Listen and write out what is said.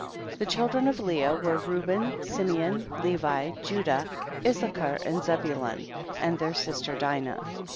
2. The children of Leah were Reuben, Simeon, Levi, Judah, Issa char and Zebulun, and their sister Dinah.